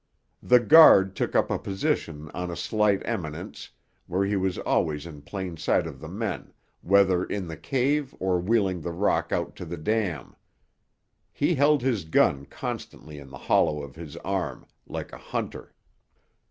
The guard took up a position on a slight eminence, where he was always in plain sight of the men, whether in the cave or wheeling the rock out to the dam. He held his gun constantly in the hollow of his arm, like a hunter.